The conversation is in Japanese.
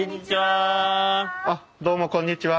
あっどうもこんにちは。